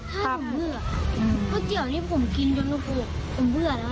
ถ้าหนูเบื่อเพราะเดี๋ยวนี้ผมกินยังคงผมเบื่อแล้ว